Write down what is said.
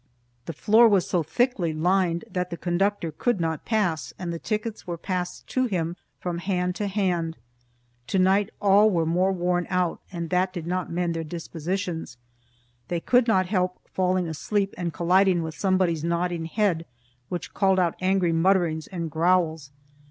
The floor was so thickly lined that the conductor could not pass, and the tickets were passed to him from hand to hand. To night all were more worn out, and that did not mend their dispositions. They could not help falling asleep and colliding with someone's nodding head, which called out angry mutterings and growls.